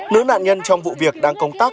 nữ nạn nhân trong vụ việc đang công tác